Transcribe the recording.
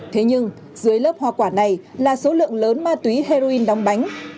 thế nhưng dưới lớp hoa quả này là số lượng lớn ma túy heroin đóng bánh